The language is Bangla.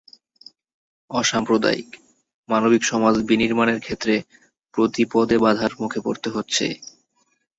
অসাম্প্রদায়িক, মানবিক সমাজ বিনির্মাণের ক্ষেত্রে প্রতি পদে বাধার মুখে পড়তে হচ্ছে।